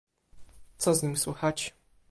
"Co z nim słychać?"